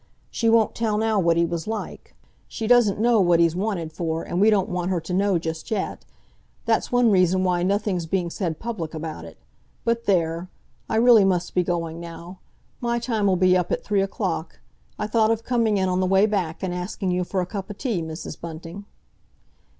She won't tell now what he was like. She doesn't know what he's wanted for, and we don't want her to know just yet. That's one reason why nothing's being said public about it. But there! I really must be going now. My time'll be up at three o'clock. I thought of coming in on the way back, and asking you for a cup o' tea, Mrs. Bunting."